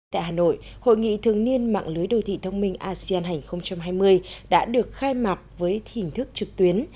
tại hà nội hội nghị thường niên mạng lưới đô thị thông minh asean hai nghìn hai mươi đã được khai mạc với hình thức trực tuyến